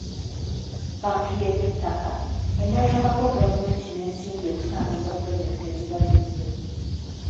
Bbanka y’eby'ettaka enaayambako gavumenti n’ensimbi okutambuza pulojekiti eziba zizze.